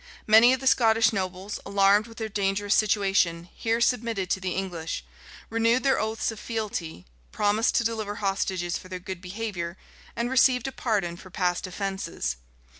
Many of the Scottish nobles, alarmed with their dangerous situation, here submitted to the English, renewed their oaths of fealty, promised to deliver hostages for their good behavior, and received a pardon for past offences.